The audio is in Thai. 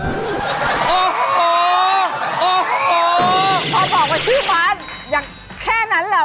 พอบอกว่าชื่อฟ้าอย่างแค่นั้นแหละ